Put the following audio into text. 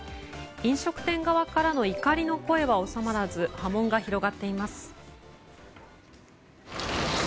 飲食店側からの怒りの声は収まらず波紋が広がっています。